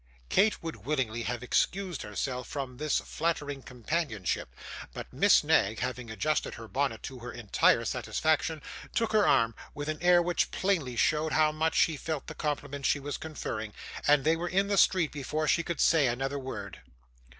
Kate would willingly have excused herself from this flattering companionship; but Miss Knag having adjusted her bonnet to her entire satisfaction, took her arm with an air which plainly showed how much she felt the compliment she was conferring, and they were in the street before she could say another word.